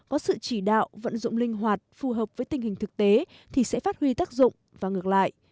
có sự chỉ đạo vận dụng linh hoạt phù hợp với tình hình thực tế thì sẽ phát huy tác dụng và ngược lại